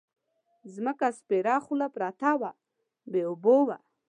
ځمکه سپېره خوله پرته وه بې اوبو وه.